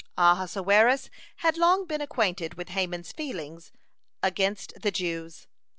(94) Ahasuerus had long been acquainted with Haman's feeling against the Jews.